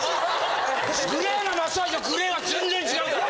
グレーなマッサージとＧＬＡＹは全然違うからな！